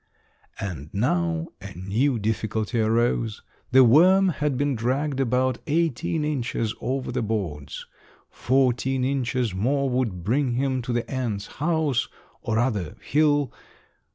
And now a new difficulty arose. The worm had been dragged about eighteen inches over the boards. Fourteen inches more would bring them to the ant's house, or, rather, hill.